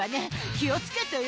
気を付けてよ。